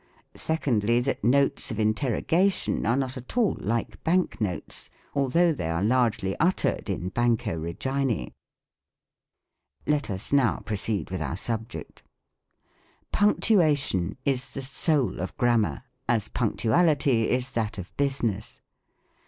Secondly, that notes of interrogation are not at all like lank notes ; although they are largely uttered in Banco Regince. Let us now proceed with our subject. Punctuation is the soul of Grammar, as Punctuality is that of business.